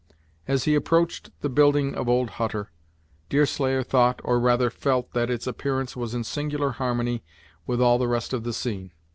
As he approached the building of old Hutter, Deerslayer thought, or rather felt that its appearance was in singular harmony with all the rest of the scene.